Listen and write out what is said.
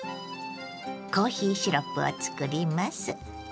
コーヒーシロップを作ります。